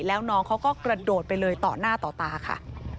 แล้วน้องเขาก็กระโดดไปเลยต่อหน้าต่อตาค่ะ